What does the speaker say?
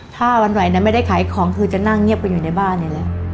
ถ้าวันไหวนะไม่ได้ขายของคือจะนั่งเงียบกันอยู่ในบ้านนี่แหละ